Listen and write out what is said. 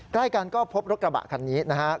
ใกล้กันก็พบรถกระบะคันนี้นะฮะ